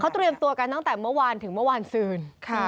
เตรียมตัวกันตั้งแต่เมื่อวานถึงเมื่อวานซืน